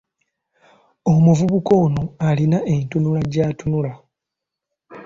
Omuvubuka ono alina entunula gy'atunula.